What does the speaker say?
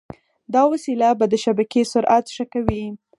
دا وسیله د شبکې سرعت ښه کوي.